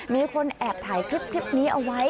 มีคนแอบถ่ายคลิปนี้เอาไว้